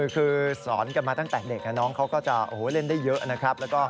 คือสอนกันมาตั้งแต่เด็กน้องเขาก็จะเล่นได้เยอะนะครับ